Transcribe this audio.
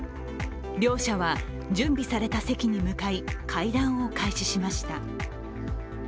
両者は準備された席に向かい会談を開始しました。